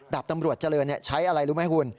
ดาบตำรวจเจริญใช้อะไรรู้ไหมคุณ